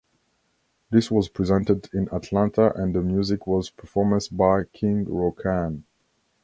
This was presented in Atlanta and the music was performance by King Rokan.